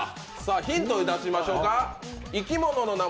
ヒント出しましょか。